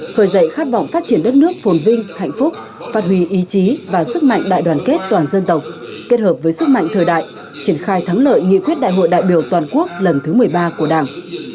khởi dậy khát vọng phát triển đất nước phồn vinh hạnh phúc phát huy ý chí và sức mạnh đại đoàn kết toàn dân tộc kết hợp với sức mạnh thời đại triển khai thắng lợi nghị quyết đại hội đại biểu toàn quốc lần thứ một mươi ba của đảng